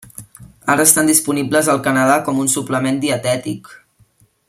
Ara estan disponibles al Canadà com un suplement dietètic.